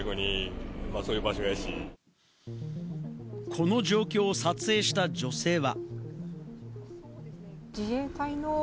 この状況を撮影した女性は。